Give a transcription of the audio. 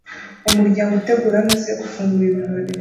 Umuryango utegura ameza yo gufungura ibirori